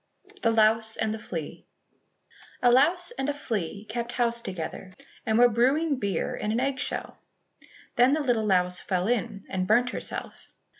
30 The Louse and the Flea A louse and a flea kept house together and were brewing beer in an egg shell. Then the little louse fell in and burnt herself.